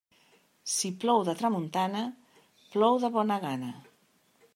Si plou de tramuntana, plou de bona gana.